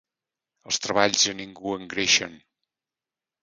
Els treballs a ningú engreixen.